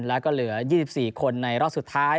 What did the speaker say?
แล้วก็เหลือ๒๔คนในรอบสุดท้าย